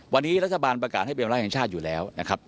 วันนี้รัฐบาลประกาศให้เป็นวันแรกแห่งชาติอยู่แล้วนะครับ